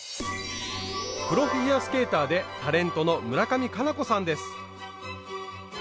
プロフィギュアスケーターでタレントの村上佳菜子さんです。